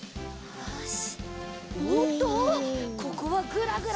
よし！